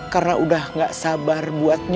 karena udah gak sabar